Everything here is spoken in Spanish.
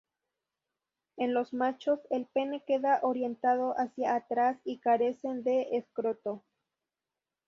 En los machos el pene queda orientado hacia atrás y carecen de escroto.